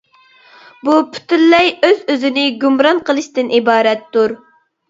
بۇ پۈتۈنلەي ئۆز-ئۆزىنى گۇمران قىلىشتىن ئىبارەتتۇر.